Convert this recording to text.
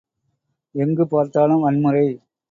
எங்குப் பார்த்தாலும் வன்முறை!